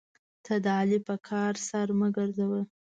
ته د علي په کار سر مه ګرځوه.